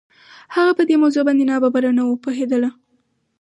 هغه په دې موضوع باندې ناببره نه و پوهېدلی.